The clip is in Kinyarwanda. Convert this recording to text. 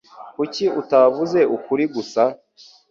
Kuki utavuze ukuri gusa?